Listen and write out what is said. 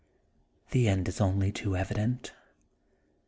The end is only too evident.